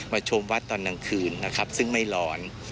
ชมวัดตอนกลางคืนนะครับซึ่งไม่ร้อน